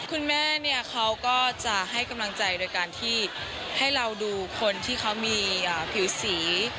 คุณแม่เนี่ยเขาก็จะให้กำลังใจโดยการที่ให้เราดูคนที่เขามีผิวสี